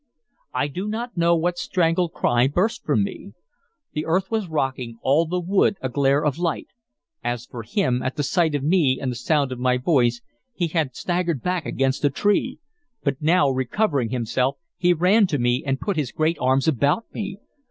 I do not know what strangled cry burst from me. The earth was rocking, all the wood a glare of light. As for him, at the sight of me and the sound of my voice he had staggered back against a tree; but now, recovering himself, he ran to me and put his great arms about me.